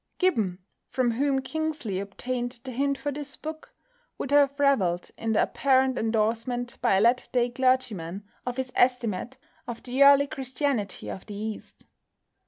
Gibbon, from whom Kingsley obtained the hint for this book, would have revelled in the apparent endorsement by a latter day clergyman of his estimate of the early Christianity of the East.